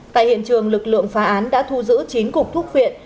tại hiện trường lực lượng phá án đã thu giữ chín cục thuốc phiện